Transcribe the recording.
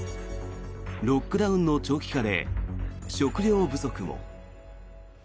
ロックダウンの長期化で食料不足も。